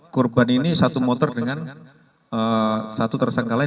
korban ini satu motor dengan satu tersangka lain